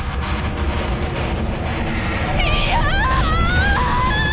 いや！